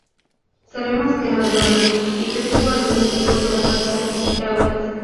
Sabemos que era dualista y que tuvo algún tipo de contacto con Pitágoras.